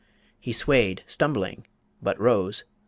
He swayed, Stumbling, but rose